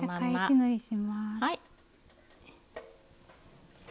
はい。